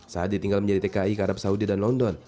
saat ditinggal menjadi tki ke arab saudi dan london